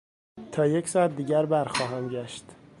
تا یک ساعت دیگر برخواهم گشت.